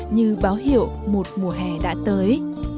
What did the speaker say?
như báo hiệu một mùa hè đã tới